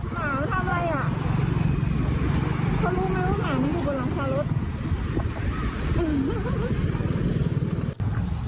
หมาทำอะไรอ่ะเขารู้ไหมว่าหมามันอยู่บนหลังคารถอืม